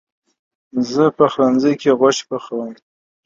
زه پخلنځي کې غوښه پخوم.